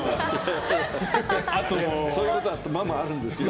そういうことが間々あるんですよ。